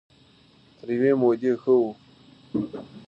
تر يوې مودې ښه وو.